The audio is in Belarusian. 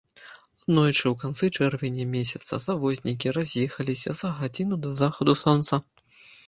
Аднойчы, у канцы чэрвеня месяца завознікі раз'ехаліся за гадзіну да захаду сонца.